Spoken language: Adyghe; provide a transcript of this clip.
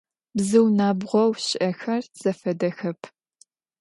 Bzıu nabğou şı'exer zefedexep.